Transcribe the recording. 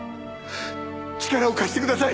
力を貸してください！